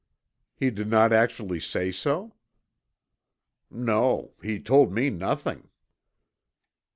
"He did not actually say so?" "No. He told me nothing."